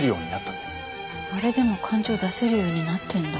あれでも感情出せるようになったんだ。